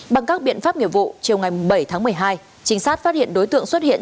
bằng các biện pháp nghiệp vụ chiều ngày bảy tháng một mươi hai trinh sát phát hiện đối tượng xuất hiện